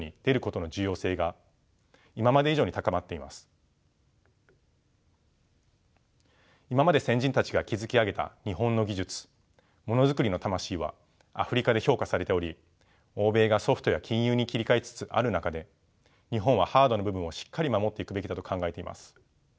ものづくりの魂はアフリカで評価されており欧米がソフトや金融に切り替えつつある中で日本はハードの部分をしっかり守っていくべきだと考えています。